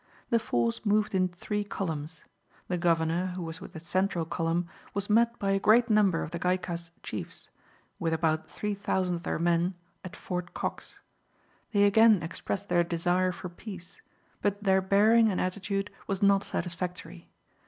The force moved in three columns. The Governor, who was with the central column, was met by a great number of the Gaikas chiefs, with about 3,000 of their men, at Fort Cox. They again expressed their desire for peace, but their bearing and attitude was not satisfactory.